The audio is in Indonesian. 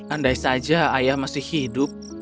andai saja ayah masih hidup